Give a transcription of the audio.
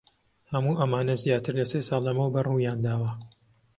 هەموو ئەمانە زیاتر لە سێ ساڵ لەمەوبەر ڕوویان داوە.